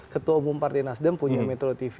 ketua umum partai nasdem punya metro tv